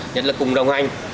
nhất là cùng đồng hành